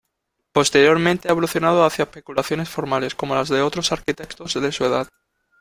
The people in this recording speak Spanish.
Posteriormente ha evolucionado hacia especulaciones formales, como las de otros arquitectos de su edad.